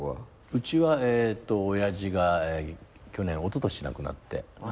うちはえっと親父が去年おととし亡くなって。